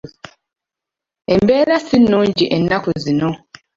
Embeera si nnungi ennaku zino.